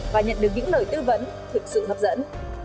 và nhận được những lời tư vấn thực sự hấp dẫn